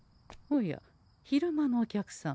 おや昼間のお客様。